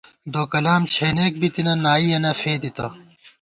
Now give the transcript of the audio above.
دوکلام چھېنېک بِتنہ ، نائی یَنہ فېدِتہ